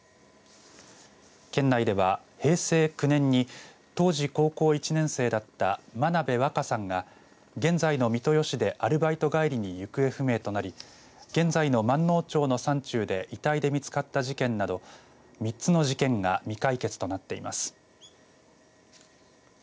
県内では、平成９年に当時、高校１年生だった真鍋和加さんが現在の三豊市でアルバイト帰りに行方不明となり現在の、まんのう町の山中で遺体で見つかった事件など３つの事件が未解決となっています。